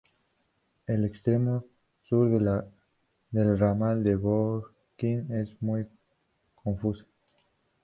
El extremo sur del Ramal de Brooklyn es muy confusa.